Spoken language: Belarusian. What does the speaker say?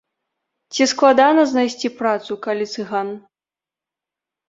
Ці складана знайсці працу, калі цыган?